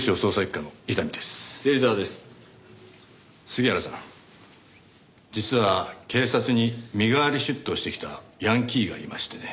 杉原さん実は警察に身代わり出頭してきたヤンキーがいましてね。